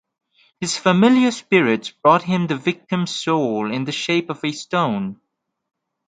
His familiar spirits brought him the victim's soul in the shape of a stone.